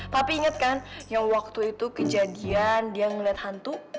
tapi ingat kan yang waktu itu kejadian dia ngeliat hantu